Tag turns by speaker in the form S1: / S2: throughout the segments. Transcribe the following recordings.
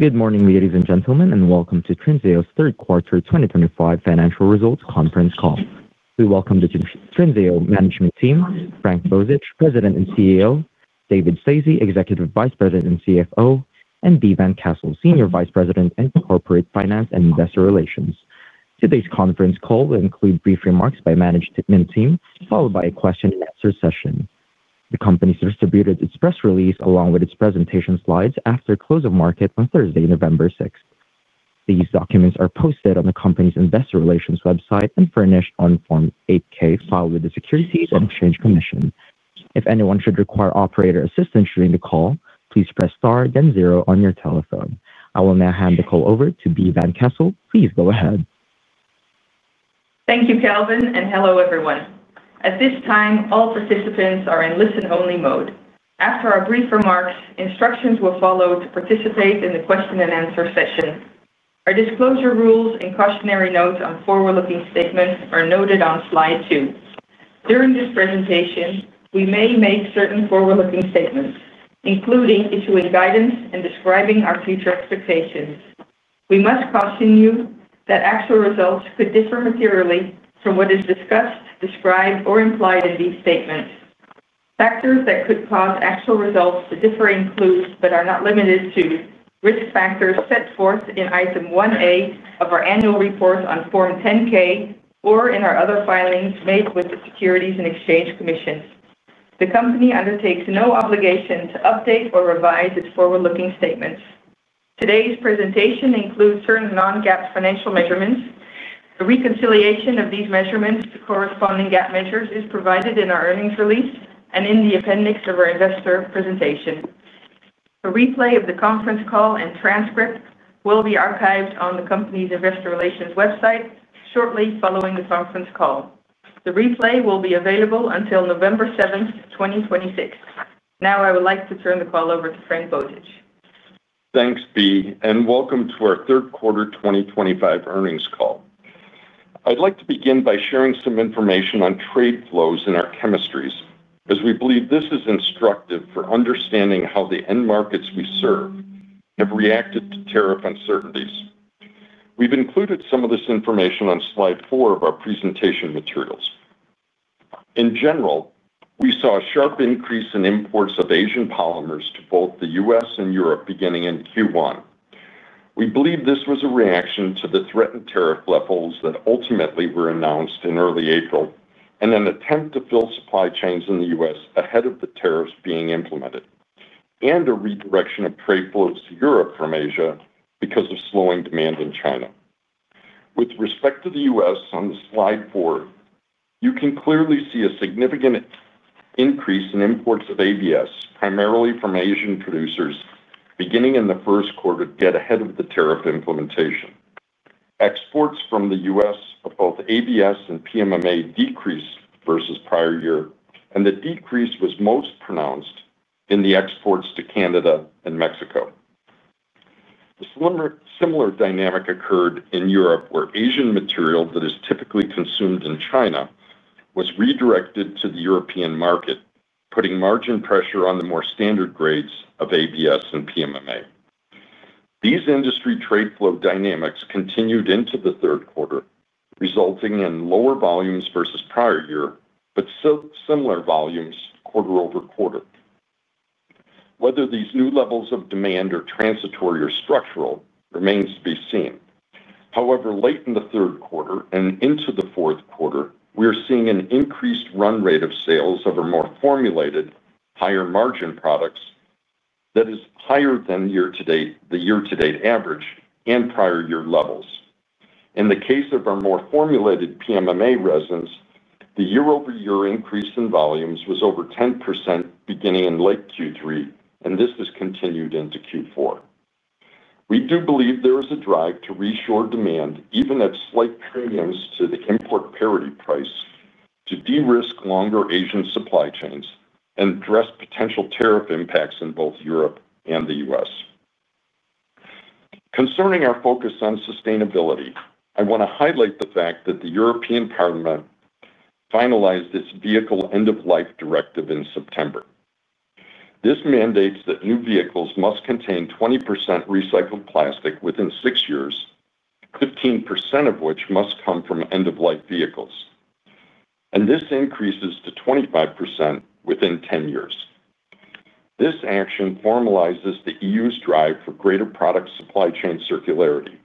S1: Good morning, ladies and gentlemen, and welcome to Trinseo's third quarter 2025 financial results conference call. We welcome the Trinseo Management team, Frank Bozich, President and CEO; David Stasse, Executive Vice President and CFO; and B. van Kessel, Senior Vice President and Corporate Finance and Investor Relations. Today's conference call will include brief remarks by the management team, followed by a question-and-answer session. The company has distributed its press release along with its presentation slides after close of market on Thursday, November 6. These documents are posted on the company's Investor Relations website and furnished on Form 8-K, filed with the Securities and Exchange Commission. If anyone should require operator assistance during the call, please press star then zero on your telephone. I will now hand the call over to B. van Kessel. Please go ahead.
S2: Thank you, Kelvin, and hello everyone. At this time, all participants are in listen-only mode. After our brief remarks, instructions will follow to participate in the question-and-answer session. Our disclosure rules and cautionary notes on forward-looking statements are noted on slide two. During this presentation, we may make certain forward-looking statements, including issuing guidance and describing our future expectations. We must caution you that actual results could differ materially from what is discussed, described, or implied in these statements. Factors that could cause actual results to differ include but are not limited to risk factors set forth in item 1A of our annual report on Form 10-K or in our other filings made with the Securities and Exchange Commission. The company undertakes no obligation to update or revise its forward-looking statements. Today's presentation includes certain non-GAAP financial measurements. A reconciliation of these measurements to corresponding GAAP measures is provided in our earnings release and in the appendix of our investor presentation. A replay of the conference call and transcript will be archived on the company's Investor Relations website shortly following the conference call. The replay will be available until November 7th, 2026. Now, I would like to turn the call over to Frank Bozich.
S3: Thanks, B., and welcome to our third quarter 2025 earnings call. I'd like to begin by sharing some information on trade flows in our chemistries, as we believe this is instructive for understanding how the end markets we serve have reacted to tariff uncertainties. We've included some of this information on slide four of our presentation materials. In general, we saw a sharp increase in imports of Asian polymers to both the U.S. and Europe beginning in Q1. We believe this was a reaction to the threatened tariff levels that ultimately were announced in early April and an attempt to fill supply chains in the U.S. ahead of the tariffs being implemented, and a redirection of trade flows to Europe from Asia because of slowing demand in China. With respect to the U.S., on slide four, you can clearly see a significant increase in imports of ABS, primarily from Asian producers, beginning in the first quarter to get ahead of the tariff implementation. Exports from the U.S. of both ABS and PMMA decreased versus prior year, and the decrease was most pronounced in the exports to Canada and Mexico. A similar dynamic occurred in Europe, where Asian material that is typically consumed in China was redirected to the European market, putting margin pressure on the more standard grades of ABS and PMMA. These industry trade flow dynamics continued into the third quarter, resulting in lower volumes versus prior year, but similar volumes quarter over quarter. Whether these new levels of demand are transitory or structural remains to be seen. However, late in the third quarter and into the fourth quarter, we are seeing an increased run rate of sales of our more formulated, higher margin products that is higher than the year-to-date average and prior year levels. In the case of our more formulated PMMA resins, the year-over-year increase in volumes was over 10% beginning in late Q3, and this has continued into Q4. We do believe there is a drive to reshore demand, even at slight premiums to the import parity price, to de-risk longer Asian supply chains and address potential tariff impacts in both Europe and the U.S. Concerning our focus on sustainability, I want to highlight the fact that the European Parliament finalized its vehicle end-of-life directive in September. This mandates that new vehicles must contain 20% recycled plastic within six years, 15% of which must come from end-of-life vehicles, and this increases to 25% within 10 years. This action formalizes the EU's drive for greater product supply chain circularity.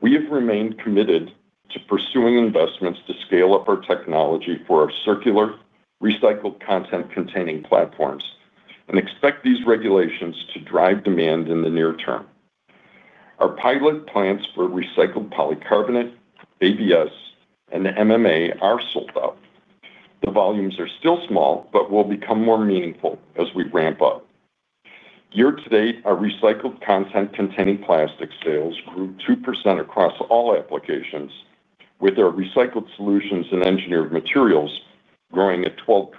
S3: We have remained committed to pursuing investments to scale up our technology for our circular recycled content-containing platforms and expect these regulations to drive demand in the near term. Our pilot plants for recycled polycarbonate, ABS, and MMA are sold out. The volumes are still small, but will become more meaningful as we ramp up. Year-to-date, our recycled content-containing plastic sales grew 2% across all applications, with our recycled solutions and engineered materials growing at 12%.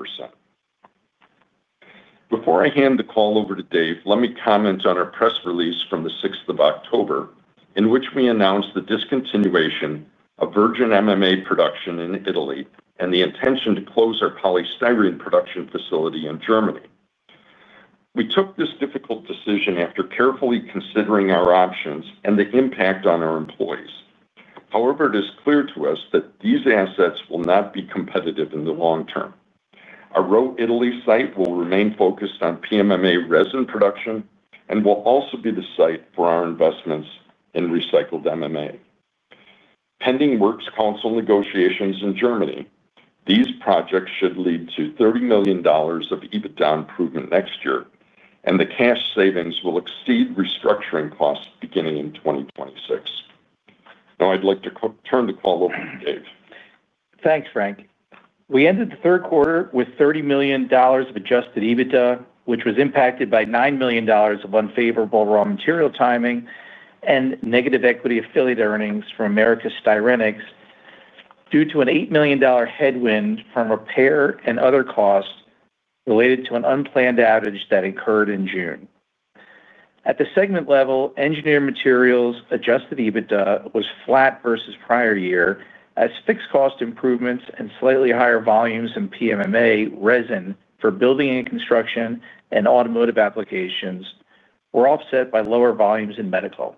S3: Before I hand the call over to Dave, let me comment on our press release from the 6th of October, in which we announced the discontinuation of virgin MMA production in Italy and the intention to close our polystyrene production facility in Germany. We took this difficult decision after carefully considering our options and the impact on our employees. However, it is clear to us that these assets will not be competitive in the long term. Our Row Italy site will remain focused on PMMA resin production and will also be the site for our investments in recycled MMA. Pending works council negotiations in Germany, these projects should lead to $30 million of EBITDA improvement next year, and the cash savings will exceed restructuring costs beginning in 2026. Now, I'd like to turn the call over to Dave.
S4: Thanks, Frank. We ended the third quarter with $30 million of Adjusted EBITDA, which was impacted by $9 million of unfavorable raw material timing and negative equity-affiliated earnings from Americas Styrenics due to an $8 million headwind from repair and other costs related to an unplanned outage that occurred in June. At the segment level, engineered materials Adjusted EBITDA was flat versus prior year, as fixed cost improvements and slightly higher volumes in PMMA resin for building and construction and automotive applications were offset by lower volumes in medical.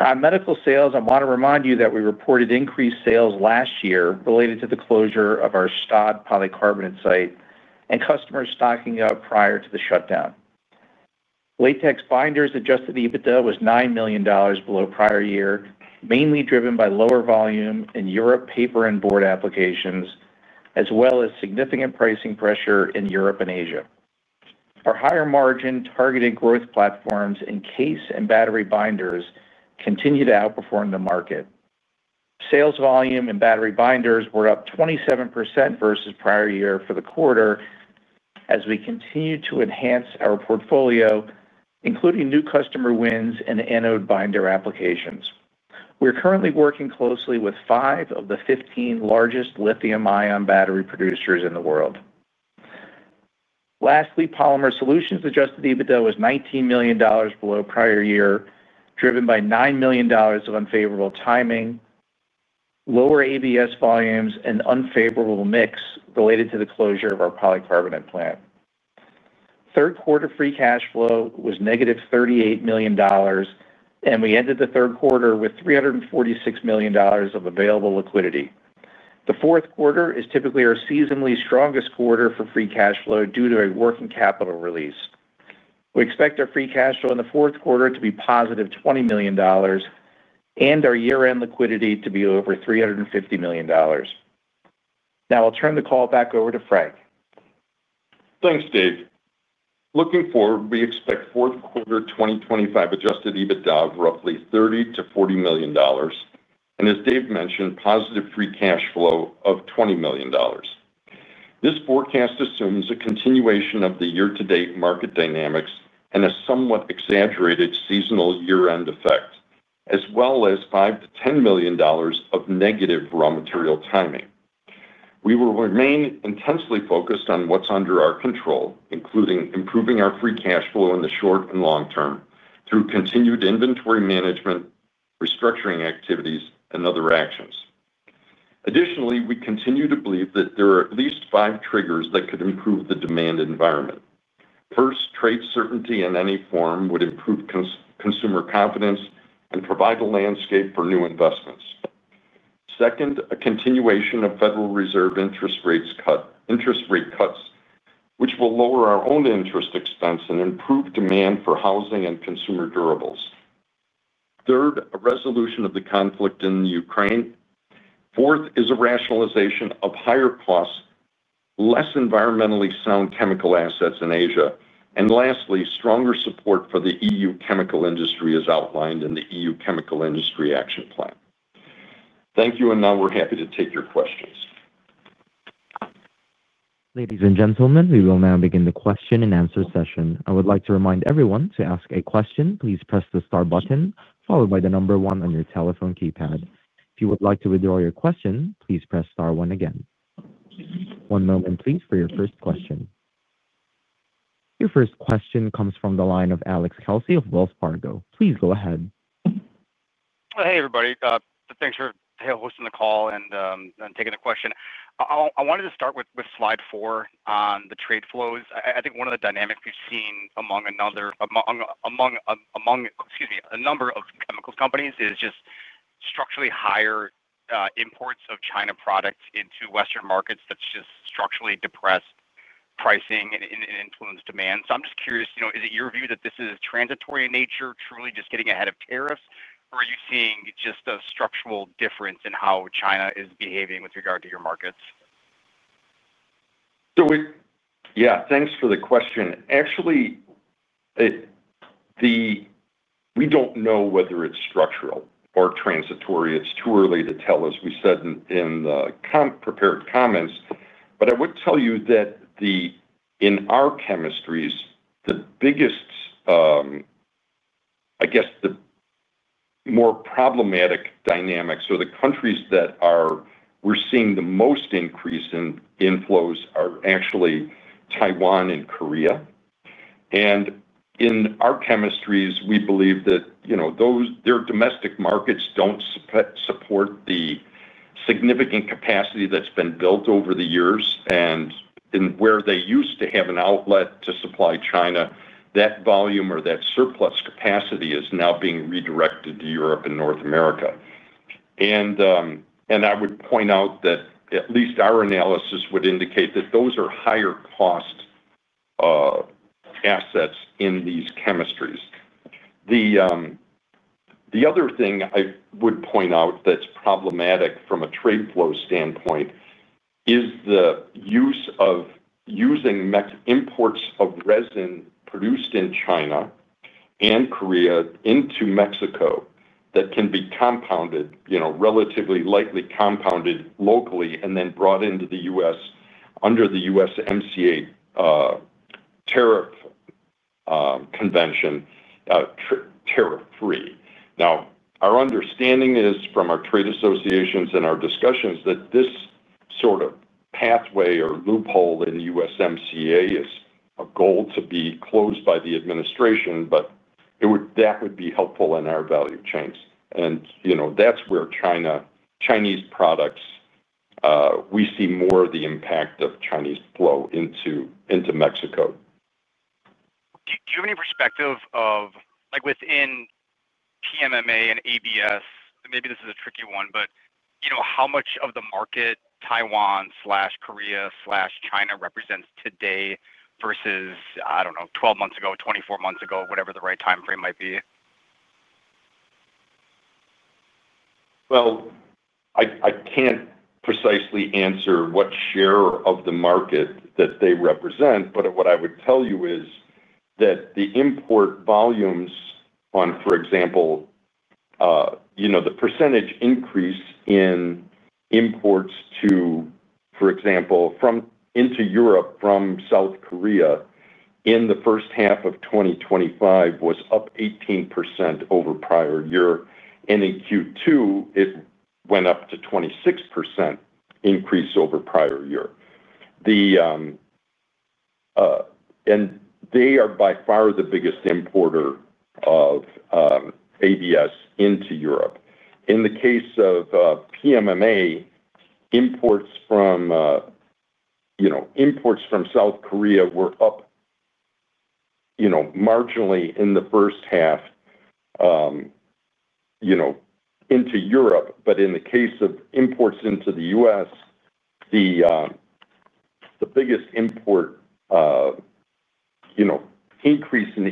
S4: On medical sales, I want to remind you that we reported increased sales last year related to the closure of our Stoddard polycarbonate site and customers stocking up prior to the shutdown. Latex binders Adjusted EBITDA was $9 million below prior year, mainly driven by lower volume in Europe paper and board applications, as well as significant pricing pressure in Europe and Asia. Our higher margin targeted growth platforms in CASE and battery binders continue to outperform the market. Sales volume in battery binders were up 27% versus prior year for the quarter, as we continue to enhance our portfolio, including new customer wins in anode binder applications. We're currently working closely with five of the 15 largest lithium-ion battery producers in the world. Lastly, polymer solutions Adjusted EBITDA was $19 million below prior year, driven by $9 million of unfavorable timing, lower ABS volumes, and unfavorable mix related to the closure of our polycarbonate plant. Third quarter free cash flow was -$38 million, and we ended the third quarter with $346 million of available liquidity. The fourth quarter is typically our seasonally strongest quarter for free cash flow due to a working capital release. We expect our free cash flow in the fourth quarter to be +$20 million and our year-end liquidity to be over $350 million. Now, I'll turn the call back over to Frank.
S3: Thanks, Dave. Looking forward, we expect fourth quarter 2025 Adjusted EBITDA of roughly $30 million-$40 million, and as Dave mentioned, positive free cash flow of $20 million. This forecast assumes a continuation of the year-to-date market dynamics and a somewhat exaggerated seasonal year-end effect, as well as $5 million-$10 million of negative raw material timing. We will remain intensely focused on what's under our control, including improving our free cash flow in the short and long term through continued inventory management, restructuring activities, and other actions. Additionally, we continue to believe that there are at least five triggers that could improve the demand environment. First, trade certainty in any form would improve consumer confidence and provide a landscape for new investments. Second, a continuation of Federal Reserve interest rate cuts, which will lower our own interest expense and improve demand for housing and consumer durables. Third, a resolution of the conflict in Ukraine. Fourth, is a rationalization of higher costs, less environmentally sound chemical assets in Asia. Lastly, stronger support for the EU chemical industry as outlined in the EU Chemical Industry Action Plan. Thank you, and now we're happy to take your questions.
S1: Ladies and gentlemen, we will now begin the question-and-answer session. I would like to remind everyone to ask a question. Please press the star button followed by the number one on your telephone keypad. If you would like to withdraw your question, please press star one again. One moment, please, for your first question. Your first question comes from the line of Alex Kelsey of Wells Fargo. Please go ahead.
S5: Hi, everybody. Thanks for hosting the call and taking the question. I wanted to start with slide four on the trade flows. I think one of the dynamics we've seen among a number of chemicals companies is just structurally higher imports of China products into Western markets that's just structurally depressed pricing and influenced demand. So I'm just curious, you know, is it your view that this is transitory in nature, truly just getting ahead of tariffs, or are you seeing just a structural difference in how China is behaving with regard to your markets?
S3: Yeah, thanks for the question. Actually, we don't know whether it's structural or transitory. It's too early to tell, as we said in the prepared comments, but I would tell you that in our chemistries, the biggest, I guess, the more problematic dynamics, or the countries that we're seeing the most increase in inflows are actually Taiwan and Korea. In our chemistries, we believe that, you know, their domestic markets don't support the significant capacity that's been built over the years. Where they used to have an outlet to supply China, that volume or that surplus capacity is now being redirected to Europe and North America. I would point out that at least our analysis would indicate that those are higher cost assets in these chemistries. The other thing I would point out that's problematic from a trade flow standpoint is the use of using imports of resin produced in China and South Korea into Mexico that can be compounded, you know, relatively lightly compounded locally and then brought into the U.S. under the USMCA tariff convention tariff-free. Now, our understanding is from our trade associations and our discussions that this sort of pathway or loophole in the USMCA is a goal to be closed by the administration, but that would be helpful in our value chains. You know, that's where China, Chinese products, we see more of the impact of Chinese flow into Mexico.
S5: Do you have any perspective of, like, within PMMA and ABS, maybe this is a tricky one, but, you know, how much of the market Taiwan/Korea/China represents today versus, I do not know, 12 months ago, 24 months ago, whatever the right timeframe might be?
S3: I can't precisely answer what share of the market that they represent, but what I would tell you is that the import volumes on, for example, you know, the percentage increase in imports to, for example, from into Europe from South Korea in the first half of 2025 was up 18% over prior year, and in Q2, it went up to 26% increase over prior year. They are by far the biggest importer of ABS into Europe. In the case of PMMA, imports from, you know, imports from South Korea were up, you know, marginally in the first half, you know, into Europe. In the case of imports into the U.S., the biggest increase in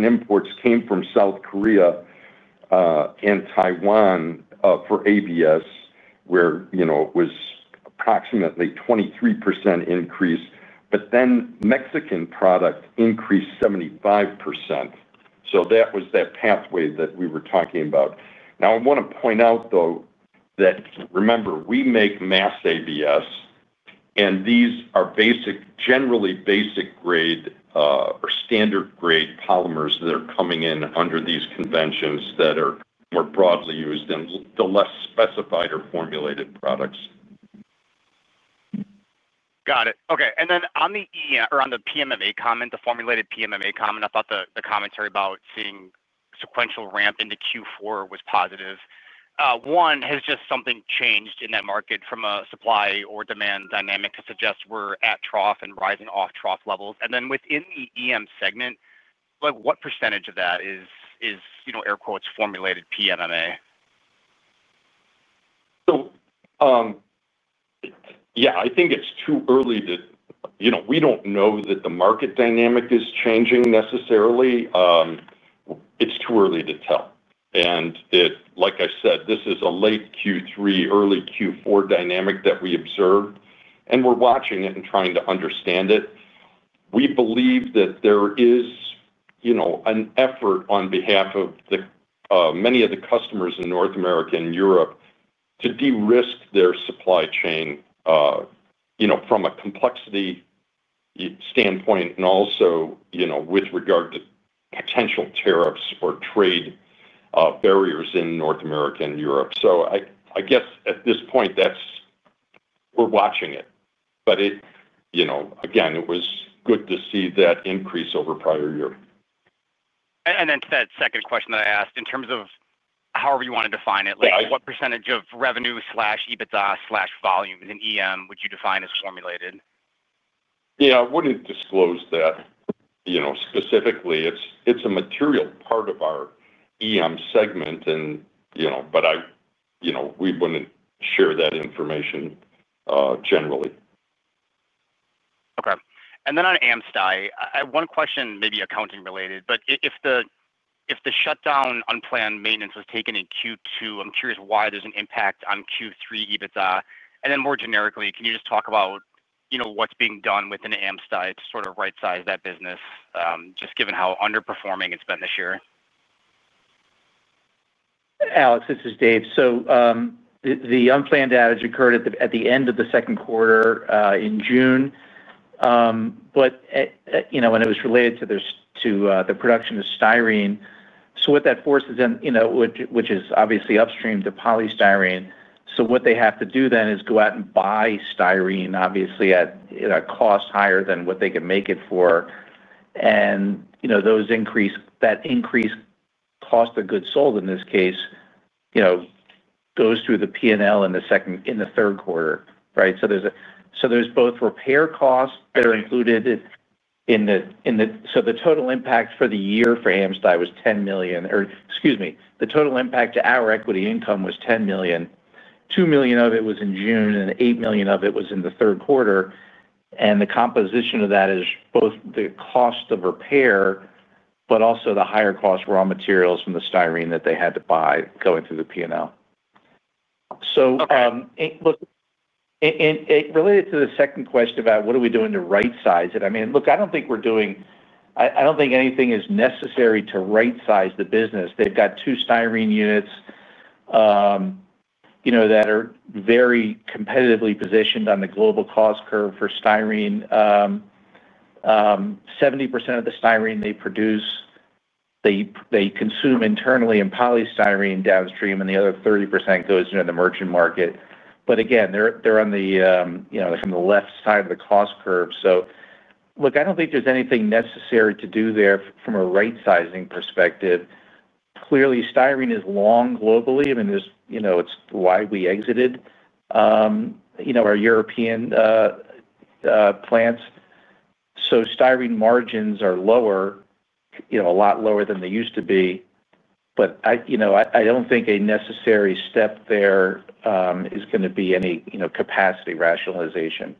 S3: imports came from South Korea and Taiwan for ABS, where it was approximately 23% increase, but then Mexican product increased 75%. That was that pathway that we were talking about. I want to point out, though, that remember, we make mass ABS, and these are generally basic grade or standard grade polymers that are coming in under these conventions that are more broadly used than the less specified or formulated products.
S5: Got it. Okay. Then on the PMMA comment, the formulated PMMA comment, I thought the commentary about seeing sequential ramp into Q4 was positive. One, has just something changed in that market from a supply or demand dynamic to suggest we're at trough and rising off trough levels? Then within the EM segment, like, what percentage of that is, you know, air quotes, formulated PMMA?
S3: Yeah, I think it's too early to, you know, we don't know that the market dynamic is changing necessarily. It's too early to tell. Like I said, this is a late Q3, early Q4 dynamic that we observe, and we're watching it and trying to understand it. We believe that there is, you know, an effort on behalf of many of the customers in North America and Europe to de-risk their supply chain, you know, from a complexity standpoint and also, you know, with regard to potential tariffs or trade barriers in North America and Europe. I guess at this point, we're watching it, but it, you know, again, it was good to see that increase over prior year.
S5: To that second question that I asked, in terms of however you want to define it, like, what percentage of revenue/EBITDA/volume in EM would you define as formulated?
S3: Yeah, I would not disclose that, you know, specifically. It is a material part of our EM segment, and, you know, but I, you know, we would not share that information generally.
S5: Okay. And then on AmStay, I have one question, maybe accounting related, but if the shutdown on planned maintenance was taken in Q2, I'm curious why there's an impact on Q3 EBITDA. And then more generically, can you just talk about, you know, what's being done within AmStay to sort of right-size that business, just given how underperforming it's been this year?
S4: Alex, this is Dave. The unplanned outage occurred at the end of the second quarter in June, but, you know, it was related to the production of styrene. What that forces them, you know, which is obviously upstream to polystyrene. What they have to do then is go out and buy styrene, obviously, at a cost higher than what they can make it for. You know, those increase, that increased cost of goods sold in this case, you know, goes through the P&L in the second, in the third quarter, right? There are both repair costs that are included in the, in the, so the total impact for the year for Americas Styrenics was $10 million, or excuse me, the total impact to our equity income was $10 million. $2 million of it was in June, and $8 million of it was in the third quarter. The composition of that is both the cost of repair, but also the higher cost raw materials from the styrene that they had to buy going through the P&L. Look, and related to the second question about what are we doing to right-size it, I mean, look, I do not think we are doing, I do not think anything is necessary to right-size the business. They have got two styrene units, you know, that are very competitively positioned on the global cost curve for styrene. 70% of the styrene they produce, they consume internally in polystyrene downstream, and the other 30% goes into the merchant market. Again, they are on the, you know, from the left side of the cost curve. Look, I do not think there is anything necessary to do there from a right-sizing perspective. Clearly, styrene is long globally, and it's, you know, it's why we exited, you know, our European plants. So styrene margins are lower, you know, a lot lower than they used to be. But I, you know, I don't think a necessary step there is going to be any, you know, capacity rationalization.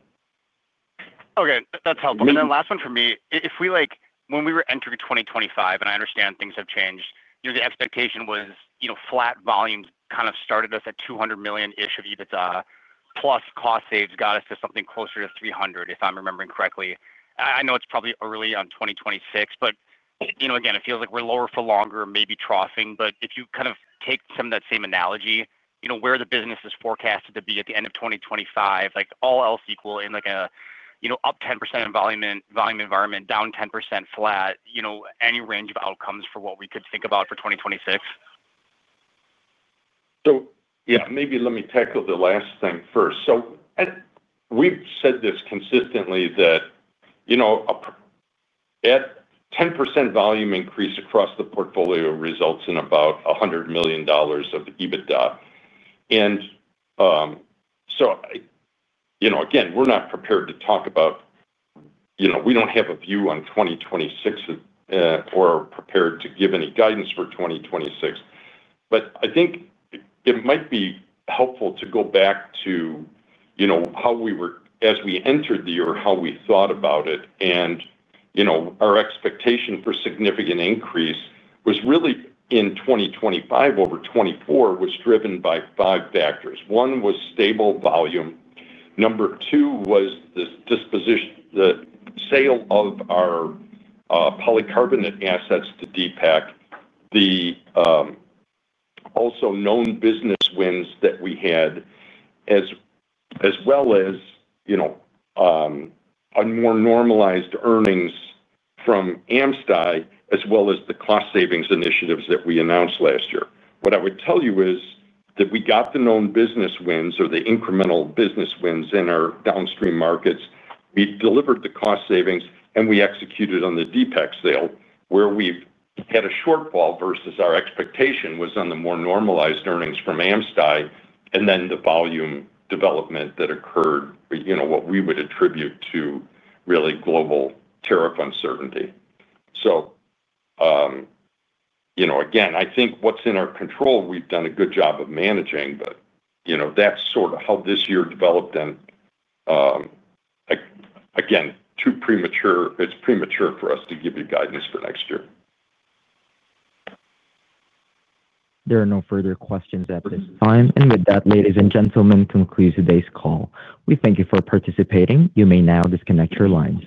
S5: Okay. That's helpful. Then last one for me, if we, like, when we were entering 2025, and I understand things have changed, you know, the expectation was, you know, flat volumes kind of started us at $200 million-ish of EBITDA, plus cost saves got us to something closer to $300 million, if I'm remembering correctly. I know it's probably early on 2026, but, you know, again, it feels like we're lower for longer, maybe troughing. If you kind of take some of that same analogy, you know, where the business is forecasted to be at the end of 2025, like all else equal in, like, a, you know, up 10% in volume environment, down 10%, flat, you know, any range of outcomes for what we could think about for 2026?
S3: Yeah, maybe let me tackle the last thing first. We've said this consistently that, you know, a 10% volume increase across the portfolio results in about $100 million of EBITDA. You know, again, we're not prepared to talk about, you know, we don't have a view on 2026 or are prepared to give any guidance for 2026. I think it might be helpful to go back to, you know, how we were, as we entered the year, how we thought about it. You know, our expectation for significant increase was really in 2025 over 2024 was driven by five factors. One was stable volume. Number two was the disposition, the sale of our polycarbonate assets to DPAC, the also known business wins that we had, as well as, you know, a more normalized earnings from AmSty, as well as the cost savings initiatives that we announced last year. What I would tell you is that we got the known business wins or the incremental business wins in our downstream markets. We delivered the cost savings, and we executed on the DPAC sale, where we've had a shortfall versus our expectation was on the more normalized earnings from AmSty and then the volume development that occurred, you know, what we would attribute to really global tariff uncertainty. You know, again, I think what's in our control, we've done a good job of managing, but, you know, that's sort of how this year developed. Again, too premature, it's premature for us to give you guidance for next year.
S1: There are no further questions at this time. With that, ladies and gentlemen, this concludes today's call. We thank you for participating. You may now disconnect your lines.